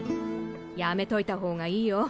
やめといた方がいいよ。